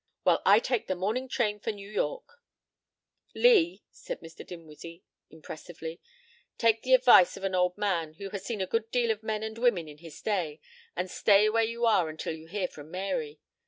"Well, I take the morning train for New York." "Lee," said Mr. Dinwiddie impressively, "take the advice of an old man, who has seen a good deal of men and women in his day, and stay where you are until you hear from Mary.